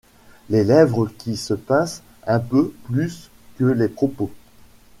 Les lèvres qui se pincent un peu plus que les propos.